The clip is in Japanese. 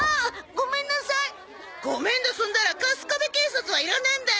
ごめんで済んだらカスカベ警察はいらねえんだよ！